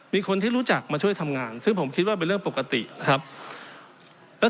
มีคนที่รู้จักมาช่วยทำงานซึ่งผมคิดว่าเป็นเรื่องปกตินะครับ